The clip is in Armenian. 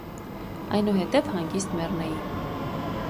այնուհետև հանգիստ մեռնեի…